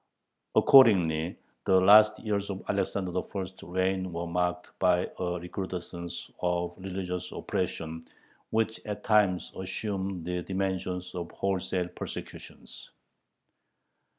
Accordingly, the last years of Alexander I.'s reign were marked by a recrudescence of religious oppression, which at times assumed the dimensions of wholesale persecutions.